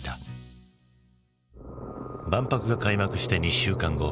万博が開幕して２週間後。